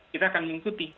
kita akan mengikuti